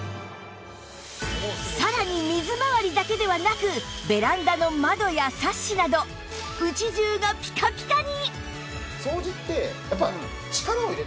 さらに水回りだけではなくベランダの窓やサッシなど家じゅうがピカピカに